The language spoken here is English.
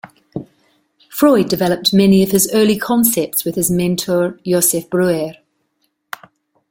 Freud developed many of his early concepts with his mentor, Josef Breuer.